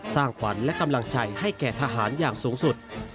สร้างขวัญและกำลังใจให้แก่ทหารอย่างสูงสุด